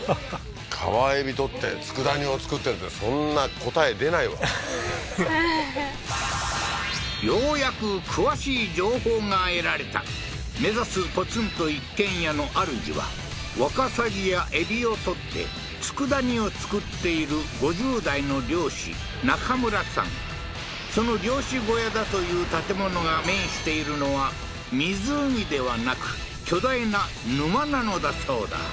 川エビ獲って佃煮を作ってるってそんな答え出ないわははっようやく詳しい情報が得られた目指すポツンと一軒家のあるじはワカサギやエビを獲って佃煮を作っている５０代の漁師ナカムラさんその漁師小屋だという建物が面しているのは湖ではなく巨大な沼なのだそうだ